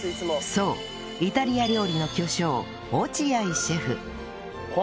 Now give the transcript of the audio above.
そうイタリア料理の巨匠落合シェフ